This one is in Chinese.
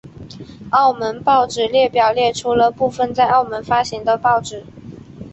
澳门报纸列表列出了部分在澳门发行的报纸。